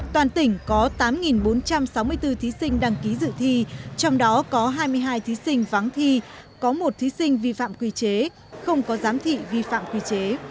toàn tỉnh có tám bốn trăm sáu mươi bốn thí sinh đăng ký dự thi trong đó có hai mươi hai thí sinh vắng thi có một thí sinh vi phạm quy chế không có giám thị vi phạm quy chế